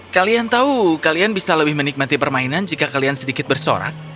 kalian tahu kalian bisa lebih menikmati permainan jika kalian sedikit bersorak